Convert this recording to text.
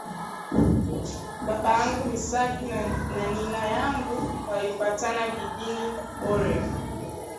Babangu Missak na nina yangu walipatana jijini Boria